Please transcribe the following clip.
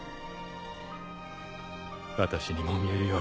私にも見えるよ